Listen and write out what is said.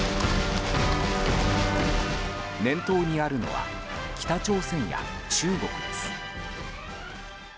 念頭にあるのは北朝鮮や中国です。